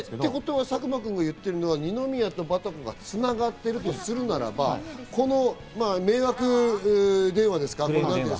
佐久間君が言ってるのは二宮とバタコが繋がってるとするならば、この迷惑電話ですか？